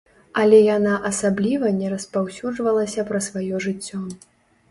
Але яна асабліва не распаўсюджвалася пра сваё жыццё.